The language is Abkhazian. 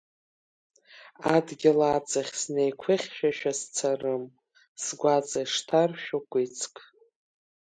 Адгьыл аҵахь снеиқәыхьшәашәа сцарым, сгәаҵа ишҭаршәу кәицк!